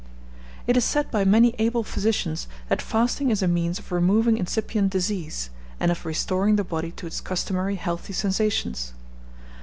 It is said by many able physicians that fasting is a means of removing incipient disease, and of restoring the body to its customary healthy sensations.